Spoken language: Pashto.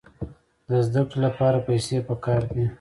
د زده کړې لپاره پیسې پکار دي.